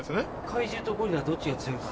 怪獣とゴリラどっちが強いか。